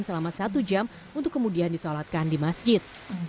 selama satu jam untuk kemudian disolatkan di masjid